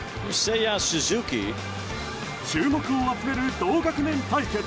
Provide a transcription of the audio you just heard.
注目を集める同学年対決。